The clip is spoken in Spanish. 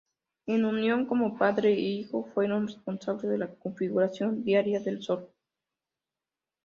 En unión como padre e hijo, fueron responsables de la configuración diaria del sol.